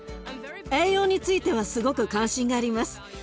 栄養についてはすごく関心があります。